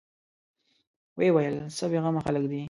ويې ويل: څه بېغمه خلک دي.